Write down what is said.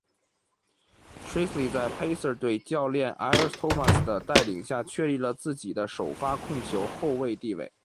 Tinsley 在 Pacers 队教练 Isiah Thomas 的带领下确立了自己的首发控球后卫地位。